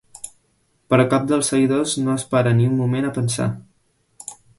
Però cap dels seguidors no es para ni un moment a pensar.